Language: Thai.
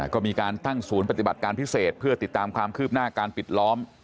ก็มีการตั้งศูนย์ปฏิบัติการพิเศษเพื่อติดตามความคืบหน้าการปิดล้อม